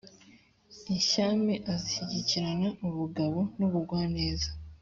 Inshyame azishyigikirana ubugabo n’ ubugwaneza;